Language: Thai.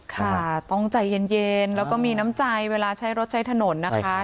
ค่ะต้องใจเย็นแล้วก็มีน้ำใจเวลาใช้รถใช้ถนนนะคะ